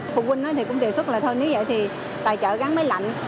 phụ huynh thì cũng đề xuất là thôi nếu vậy thì tài trợ gắn máy lạnh